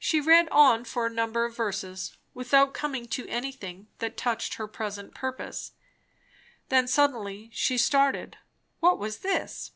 She read on, for a number of verses, without coming to anything that touched her present purpose. Then suddenly she started. What was this?